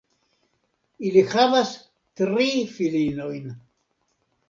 Ili havas tri filinojn.